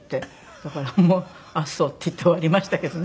だからもう「ああそう」って言って終わりましたけどね。